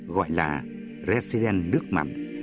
gọi là resident nước mạnh